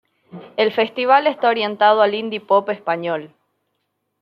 El festival está orientado al indie pop español.